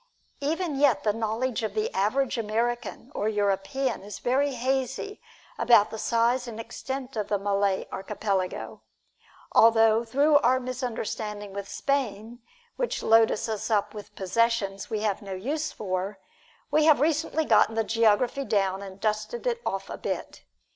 Even yet the knowledge of the average American or European is very hazy about the size and extent of the Malay Archipelago, although through our misunderstanding with Spain, which loaded us up with possessions we have no use for, we have recently gotten the geography down and dusted it off a bit.